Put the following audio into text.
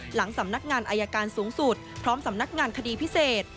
หลังสำนักงานอายการสูงสุดพร้อมสำนักงานคดีพิเศษ